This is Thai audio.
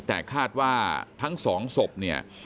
แต่คาดว่าทั้งสองศพเนี่ย